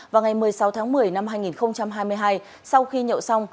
vào ngày một mươi sáu tháng một mươi năm hai nghìn hai mươi hai sau khi nhậu xong